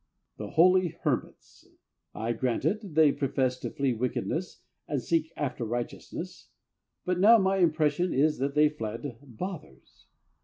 The holy hermits!... I grant it, they professed to flee wickedness and seek after righteousness, but now my impression is that they fled bothers.